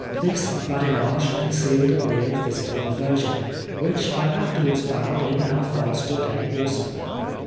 This badinage con cealed a real physical aversion, which I after wards found in Alphonse Daudet also.